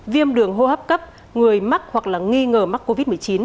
viêm đường hô hấp cấp người mắc hoặc là nghi ngờ mắc covid một mươi chín